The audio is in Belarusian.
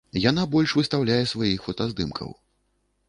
Яна больш выстаўляе сваіх фотаздымкаў.